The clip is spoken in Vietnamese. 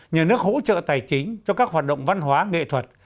nhà nước hỗ trợ tài chính cho các hoạt động văn hóa nghệ thuật